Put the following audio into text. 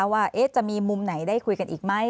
ว่าจะมีมุมไหนได้คุยกันอีกไหม